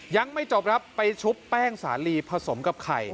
ยังไม่จบครับไปชุบแป้งสาลีผสมกับไข่